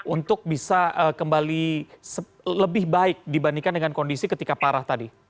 untuk bisa kembali lebih baik dibandingkan dengan kondisi ketika parah tadi